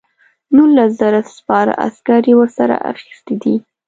نولس زره سپاره عسکر یې ورسره اخیستي دي.